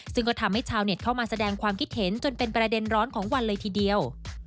ซึ่งก็ทำให้ชาวเน็ตเข้ามาแสดงความคิดเห็นจนเป็นประเด็นร้อนของวันเลยทีเดียว